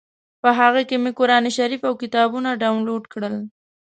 په هغه کې مې قران شریف او کتابونه ډاونلوډ کړل.